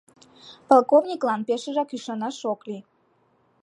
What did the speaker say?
Полковниковлан пешыжак ӱшанаш ок лий.